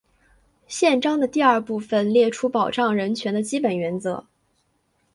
宪章的第二部分列出保障人权的基本原则。